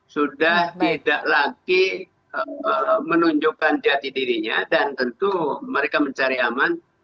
sudah tidak lagi menunjukkan jati dirinya dan tentu mereka mencari aman